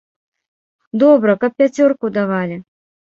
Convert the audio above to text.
Добра, каб пяцёрку давалі.